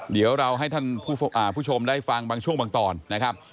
เดี๋ยวเราให้ท่านผู้ชมได้ฟังบางช่วงบางตอนนะครับ